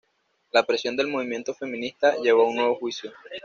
La presión del movimiento feminista llevó a un nuevo juicio.